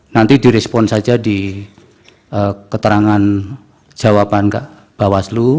nanti direspon saja di keterangan jawaban bawaslu